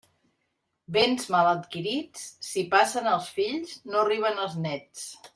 Béns mal adquirits, si passen als fills, no arriben als néts.